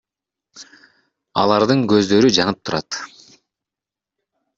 Алардын көздөрү жанып турат.